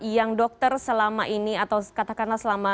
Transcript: yang dokter selama ini atau katakanlah selama